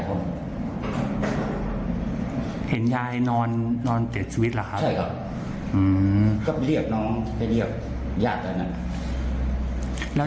ก็ไปเรียกน้องไปเรียกญาติตอนนั้น